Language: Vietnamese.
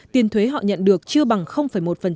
tiền thuế họ nhận được chưa bằng năm triệu usd